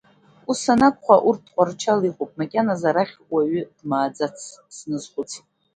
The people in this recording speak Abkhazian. Ус анакәха, урҭ Тҟәарчал иҟоуп, макьаназ арахь уаҩ дмааӡацт, сназхәыцит.